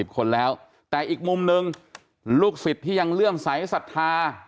คนแล้วแต่อีกมุมหนึ่งลูกศิษย์ที่ยังเลื่อมใสสัทธา